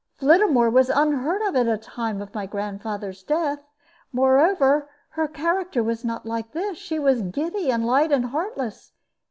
Flittamore was unheard of at the time of my grandfather's death. Moreover, her character was not like this; she was giddy and light and heartless.